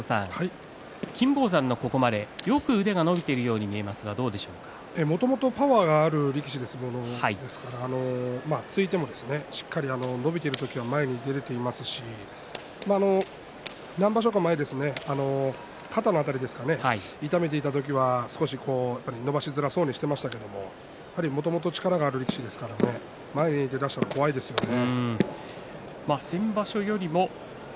金峰山、ここまでよく腕が伸びているようにもともとパワーのある力士ですから突いてもしっかり伸びてる時は前に出れていますし何場所か前ですね肩の辺り痛めていた時は少し伸ばしづらそうにしていましたけどもともと力がある力士ですからね前に出だしたら怖いですよね。